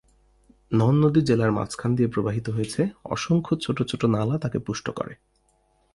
নন নদী জেলার মাঝখান দিয়ে প্রবাহিত হয়েছে, অসংখ্য ছোট ছোট নালা তাকে পুষ্ট করে।